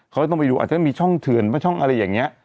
เขาก็ต้องไปดูอาจจะมีช่องเถื่อนช่องอะไรอย่างนี้